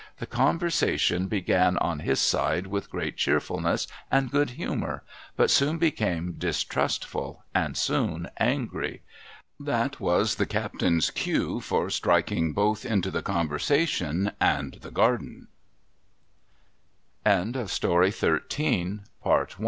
The conversation began on his side with great cheerfulness and good humour, but soon became distrustful, and soon angry. That was the captain's cue for striking both into the conversation and the garden. 240 A MESSAGE FROM THE SEA '.